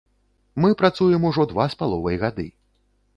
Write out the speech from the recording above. Мы працуем ужо два з паловай гады.